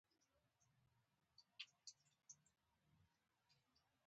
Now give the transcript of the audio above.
کچې نن دې د خپلو هيلو جنازه وکړه.